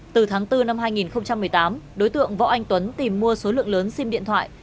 từ tháng bốn năm hai nghìn một mươi tám đối tượng võ anh tuấn tìm mua số lượng lớn sim điện thoại